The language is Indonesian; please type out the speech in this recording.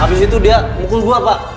habis itu dia mukul gua pak